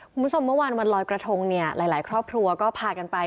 คุณผู้ชมเมื่อวานวันลอยกระทงเนี่ยหลายหลายครอบครัวก็พากันไป